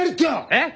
えっ？